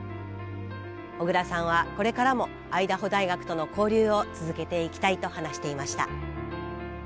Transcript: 小倉さんはこれからもアイダホ大学との交流を続けていきたいと話していました。